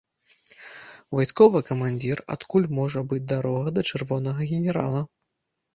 Вайсковы камандзір, адкуль можа быць дарога да чырвонага генерала?